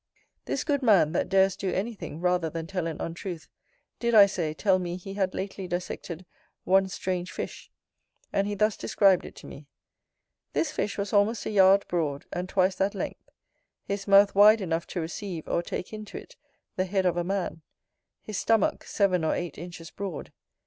This good man, that dares do anything rather than tell an untruth, did, I say, tell me he had lately dissected one strange fish, and he thus described it to me: "This fish was almost a yard broad, and twice that length; his mouth wide enough to receive, or take into it, the head of a man; his stomach, seven or eight inches broad.